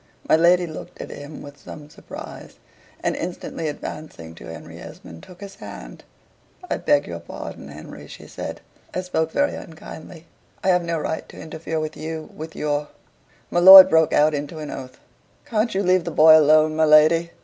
My lady looked at him with some surprise, and instantly advancing to Henry Esmond, took his hand. "I beg your pardon, Henry," she said; "I spoke very unkindly. I have no right to interfere with you with your " My lord broke out into an oath. "Can't you leave the boy alone, my lady?"